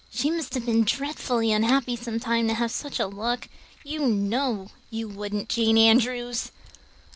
She must have been dreadfully unhappy sometime to have such a look. You know you wouldn't, Jane Andrews!"